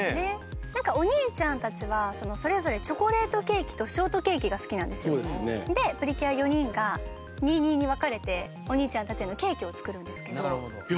なんかお兄ちゃんたちはそれぞれチョコレートケーキとショートケーキが好きなんですよ。でプリキュア４人が２：２に分かれてお兄ちゃんたちのケーキを作るんですけど。